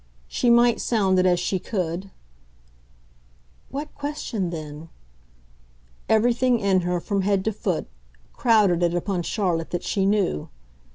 She might sound it as she could "What question then?" everything in her, from head to foot, crowded it upon Charlotte that she knew.